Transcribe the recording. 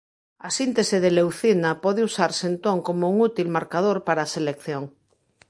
A síntese de leucina pode usarse entón como un útil marcador para a selección.